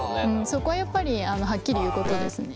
そこはやっぱりはっきり言うことですね。